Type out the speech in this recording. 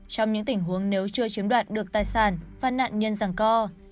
trong những tình huống nếu chưa chiếm đoạt được tài sản và nạn nhân ràng co